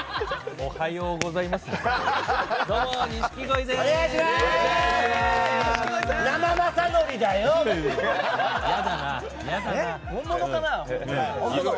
おはようございますだろ！